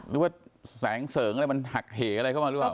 หรือว่าแสงเสริงอะไรมันหักเหอะไรเข้ามาหรือเปล่า